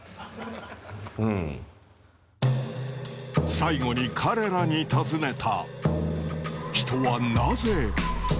最後に彼らに尋ねた。